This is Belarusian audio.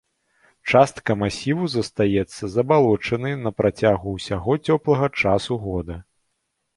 Частка масіву застаецца забалочанай на працягу ўсяго цёплага часу года.